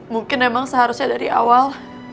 mungkin memang seharusnya dari awal